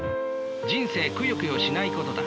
人生くよくよしないことだ。